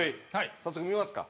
早速見ますか？